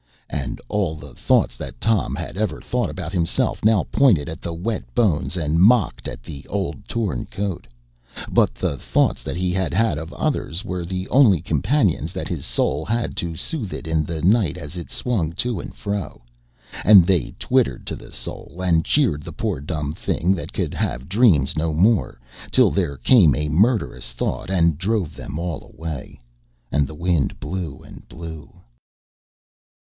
And all the thoughts that Tom had ever thought about himself now pointed at the wet bones and mocked at the old torn coat. But the thoughts that he had had of others were the only companions that his soul had to soothe it in the night as it swung to and fro. And they twittered to the soul and cheered the poor dumb thing that could have dreams no more, till there came a murderous thought and drove them all away. And the wind blew and blew.